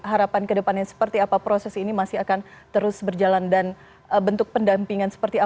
harapan kedepannya seperti apa proses ini masih akan terus berjalan dan bentuk pendampingan seperti apa